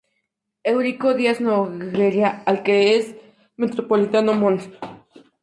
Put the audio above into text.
Eurico Dias Nogueira y al que es el metropolitano Mons.